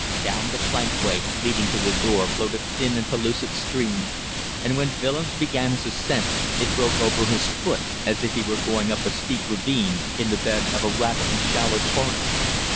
Down the plankway leading to the door flowed a thin and pellucid stream, and when Willems began his ascent it broke over his foot as if he were going up a steep ravine in the bed of a rapid and shallow torrent.